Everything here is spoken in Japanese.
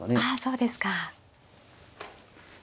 あそうですか。